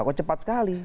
kok cepat sekali